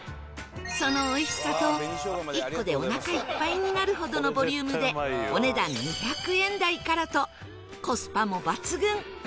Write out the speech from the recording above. そのおいしさと１個でおなかいっぱいになるほどのボリュームでお値段２００円台からとコスパも抜群